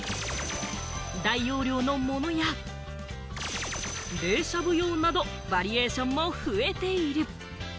大容量のものや冷しゃぶ用などバリエーションも増えている。